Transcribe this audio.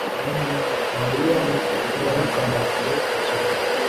Mariya yarakandagiye ikirenge